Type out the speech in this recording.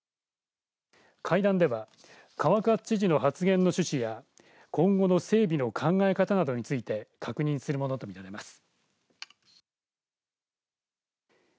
会談では川勝知事の発言の趣旨や今後の整備の考え方などについて確認するものと見られます。